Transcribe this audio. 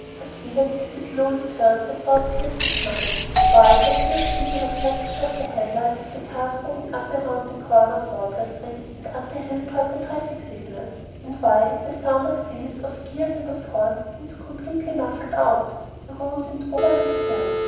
But even as he slowly turned, the thought pierced his mind, Why had he not seen the reflection of the headlights of the cars moving up around the corner of Water Street and up the hill toward the traffic signals? And why had the sound of wheels, of gears and of horns, been so completely muffled out? The room seemed overly still.